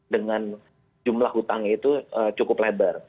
dengan jumlah utang itu cukup besar